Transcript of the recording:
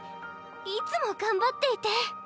いつも頑張っていて。